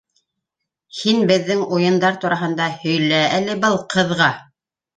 —Һин беҙҙең уйындар тураһында һөйлә әле был ҡыҙға...